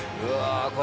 うわ